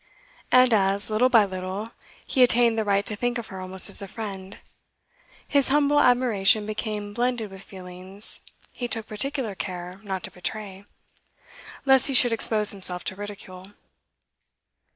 And as, little by little, he attained the right to think of her almost as a friend, his humble admiration became blended with feelings he took particular care not to betray, lest he should expose himself to ridicule.